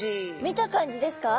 見た感じですか？